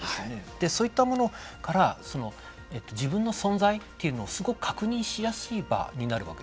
でそういったものから自分の存在っていうのをすごく確認しやすい場になるわけです。